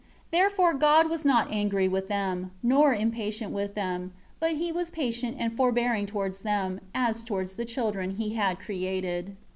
8 Therefore God was not angry with them; nor impatient with them; but he was patient and forbearing towards them, as towards the children He had created.